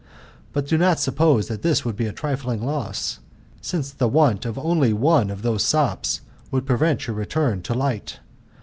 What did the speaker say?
But do not suppose that this would, be a trifling loss ; since the want of only one of these sops, would prevent your return to light.